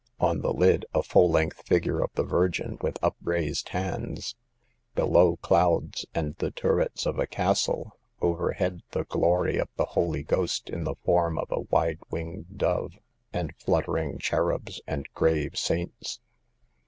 On the lid a full length figure of the Virgin with upraised hands ; below clouds and the turrets of a castle ; overhead the glory of the Holy Ghost in the form of a wide winged Dove, and flutter ing cherubs and grave saints.